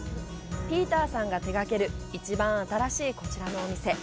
ピーターさんが手がける一番新しいこちらのお店。